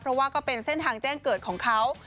เพราะว่าก็เป็นเส้นทางแจ้งเกิดของเขา